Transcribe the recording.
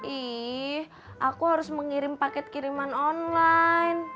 ih aku harus mengirim paket kiriman online